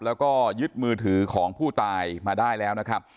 แล้วก็ยึดมือถือของผู้ตายมาได้แล้วนะครับ